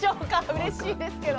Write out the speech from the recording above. うれしいですけど。